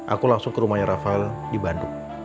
aku langsung ke rumahnya rafael di bandung